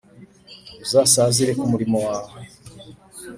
uzasazire ku murimo wawe